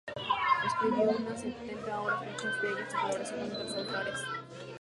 Escribió unas setenta obras, muchas de ellas en colaboración con otros autores.